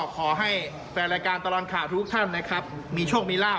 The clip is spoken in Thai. ขอให้แฟนรายการตลอดข่าวทุกท่านนะครับมีโชคมีลาบ